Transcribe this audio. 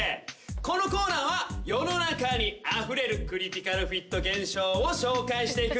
このコーナーは世の中にあふれるクリティカルフィット現象を紹介していくんだ！